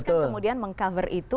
kan kemudian meng cover itu